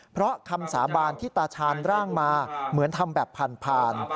เพราะคำสาบานที่ตาชาญร่างมาเหมือนทำแบบผ่าน